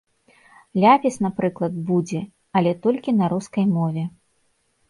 Ляпіс, напрыклад, будзе, але толькі на рускай мове.